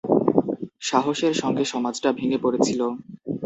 সাহসের সঙ্গে, সমাজটা ভেঙে পড়েছিল।